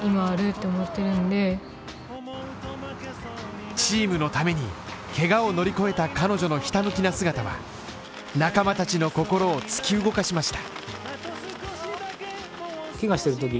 もチームのためにけがを乗り越えた彼女のひたむきな姿は仲間たちの心を突き動かしました。